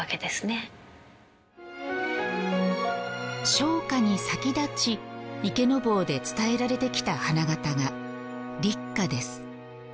生花に先立ち池坊で伝えられてきた花型が立花です。